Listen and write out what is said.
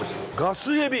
ガスエビ？